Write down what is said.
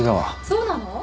そうなの？